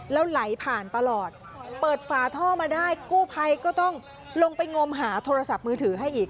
แล้วไหลผ่านตลอดเปิดฝาท่อมาได้กู้ภัยก็ต้องลงไปงมหาโทรศัพท์มือถือให้อีก